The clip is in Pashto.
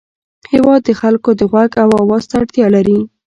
هېواد د خلکو د غوږ او اواز ته اړتیا لري.